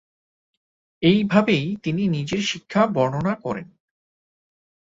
এইভাবেই তিনি নিজের শিক্ষা বর্ণনা করেন।